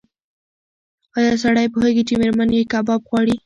ایا سړی پوهېږي چې مېرمن یې کباب غواړي؟